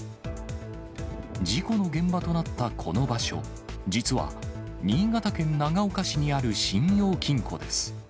事故の現場となったこの場所、実は、新潟県長岡市にある信用金庫です。